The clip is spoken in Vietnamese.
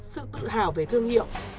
sự tự hào về thương hiệu